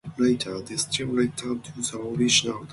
Later, this team returned to the original name.